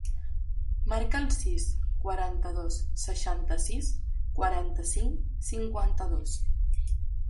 Marca el sis, quaranta-dos, seixanta-sis, quaranta-cinc, cinquanta-dos.